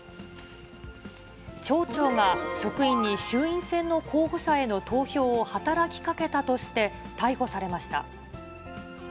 町長が職員に衆院選の候補者への投票を働きかけたとして、逮捕されました。